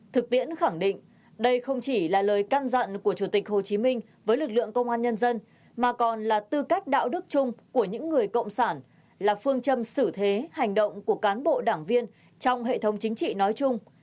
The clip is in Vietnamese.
thực tiễn khẳng định đây không chỉ là lời căn dặn của chủ tịch hồ chí minh với lực lượng công an nhân dân mà còn là tư cách đạo đức chung của những người cộng sản là phương châm xử thế hành động của cán bộ đảng viên trong hệ thống chính trị nói chung